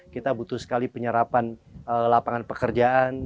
kita butuh sekali penyerapan lapangan pekerjaan